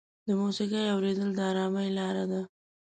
د موسیقۍ اورېدل د ارامۍ لاره ده.